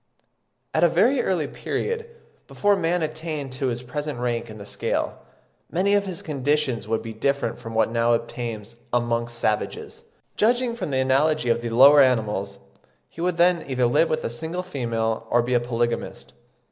At a very early period, before man attained to his present rank in the scale, many of his conditions would be different from what now obtains amongst savages. Judging from the analogy of the lower animals, he would then either live with a single female, or be a polygamist.